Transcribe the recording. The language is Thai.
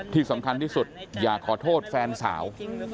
ที่สำคัญที่สุดอยากขอโทษแฟนสาว